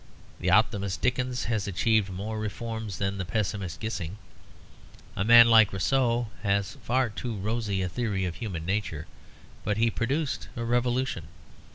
The optimist Dickens has achieved more reforms than the pessimist Gissing. A man like Rousseau has far too rosy a theory of human nature; but he produces a revolution.